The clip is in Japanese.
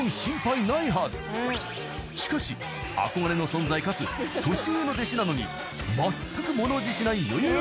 ［しかし憧れの存在かつ年上の弟子なのにまったく物おじしないよよよ